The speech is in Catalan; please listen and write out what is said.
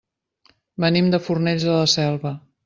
Venim de Fornells de la Selva.